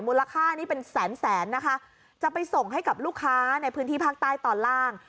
มูลค่านี้เป็นแสนแสนนะคะจะไปส่งให้กับลูกค้าในพื้นที่ภาคใต้ตอนล่าง